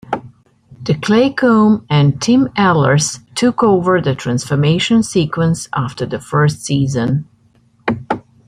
Tim Claycomb and Tim Eilers took over the transformation sequence after the first season.